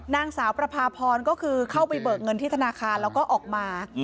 นางสาวประพาพรก็คือเข้าไปเบิกเงินที่ธนาคารแล้วก็ออกมา